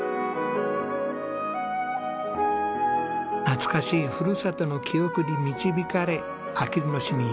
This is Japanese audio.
懐かしいふるさとの記憶に導かれあきる野市に移住。